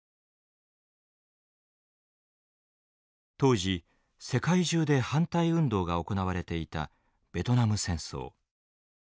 当時世界中で反対運動が行われていたベトナム戦争。